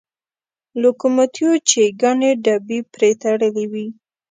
لوکوموتیو چې ګڼې ډبې پرې تړلې وې.